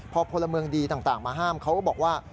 พอพลเมืองดีต่างมาห้ามเขาก็บอกว่า